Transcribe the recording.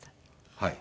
はい。